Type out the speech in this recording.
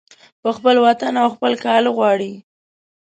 په خپل وطن او خپل کاله غواړي